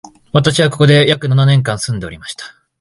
私は、ここに約七年間住んでおりました